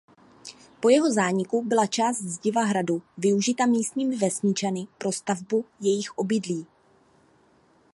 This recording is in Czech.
Po jeho zániku byla část zdiva hradu využita místními vesničany pro stavbu jejich obydlí.